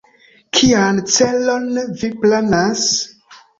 Kian celon vi planas?